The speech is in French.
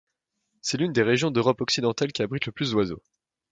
C'est l'une des régions d'Europe occidentale qui abrite le plus d'oiseaux.